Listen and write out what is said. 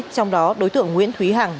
trong đó đối tượng nguyễn thúy hằng